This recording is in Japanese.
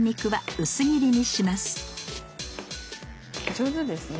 上手ですね。